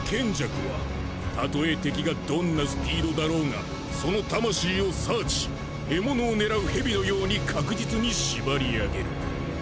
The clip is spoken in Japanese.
羂策は例え敵がどんなスピードだろうがその魂をサーチし獲物を狙うヘビのように確実に縛り上げる。